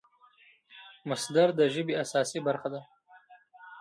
مصدر د ژبي اساسي برخه ده.